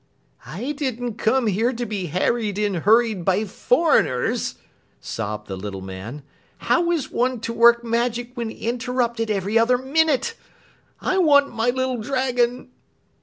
"I didn't come here to be harried and hurried by foreigners," sobbed the little man. "How is one to work magic when interrupted every other minute? I want my little dragon."